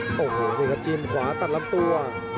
โอ้โหนี่ครับจิ้มขวาตัดลำตัว